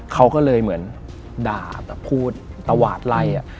เขาก็เลยเหมือนด่าแต่พูดแต่หวาดไลอะ